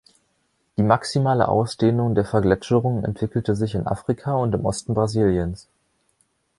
Die maximale Ausdehnung der Vergletscherung entwickelte sich in Afrika und im Osten Brasiliens.